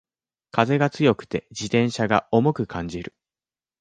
風が強くて自転車が重く感じる